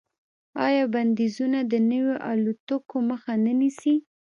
آیا بندیزونه د نویو الوتکو مخه نه نیسي؟